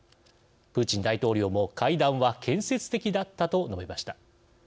プーチン大統領も会談は「建設的だった」と述べました。